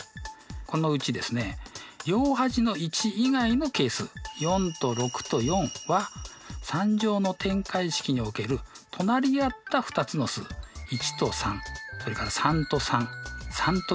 このうちですね両端の１以外の係数４と６と４は３乗の展開式における隣り合った２つの数１と３それから３と３３と１ですね。